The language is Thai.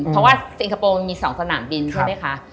เพราะว่าสิงคโปร์มี๒สนามบินใช่ไหมคะ